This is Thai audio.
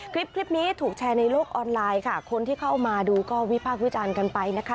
คลิปนี้ถูกแชร์ในโลกออนไลน์ค่ะคนที่เข้ามาดูก็วิพากษ์วิจารณ์กันไปนะคะ